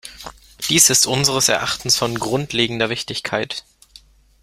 Dies ist unseres Erachtens von grundlegender Wichtigkeit.